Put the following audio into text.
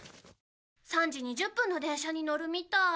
３時２０分の電車に乗るみたい。